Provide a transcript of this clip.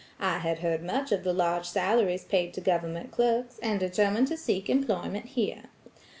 I had heard much of the large salaries paid to government clerks, and determined to seek employment here.